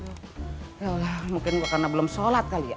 ya allah mungkin gua karena belum sholat kali ya